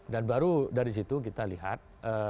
dan baru dari situ kita lihat